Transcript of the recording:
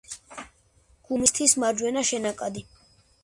გუმისთის მარჯვენა შენაკადი.